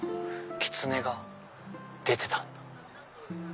キツネが出てた。